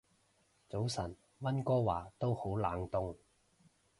早晨，溫哥華都好冷凍